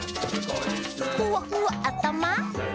「ふわふわあたま」